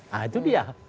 nah itu dia